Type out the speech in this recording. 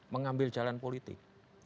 mengambil jalan politik